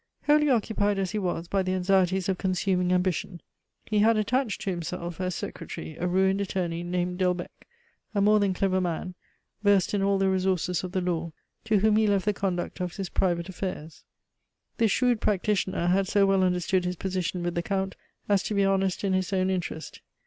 Wholly occupied as he was by the anxieties of consuming ambition, he had attached to himself, as secretary, a ruined attorney named Delbecq, a more than clever man, versed in all the resources of the law, to whom he left the conduct of his private affairs. This shrewd practitioner had so well understood his position with the Count as to be honest in his own interest.